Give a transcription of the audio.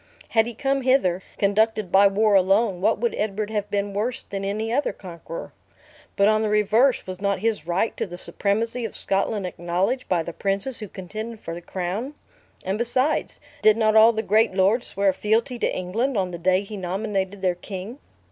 Had he come hither, conducted by war alone, what would Edward have been worse than any other conqueror? But on the reverse, was not his right to the supremacy of Scotland acknowledged by the princes who contended for the crown? And besides, did not all the great lords swear fealty to England, on the day he nominated their king?"